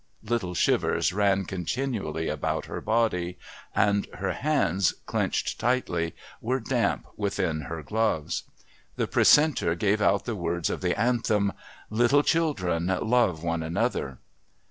Little shivers ran continually about her body, and her hands, clenched tightly, were damp within her gloves. The Precentor gave out the words of the Anthem, "Little children, love one another."